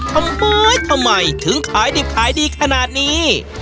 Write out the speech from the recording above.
ทำไมทำไมถึงขายดิบขายดีขนาดนี้